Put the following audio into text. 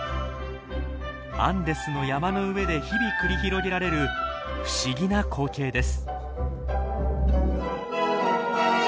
アンデスの山の上で日々繰り広げられる不思議な光景です。